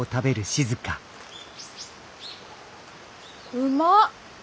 うまっ！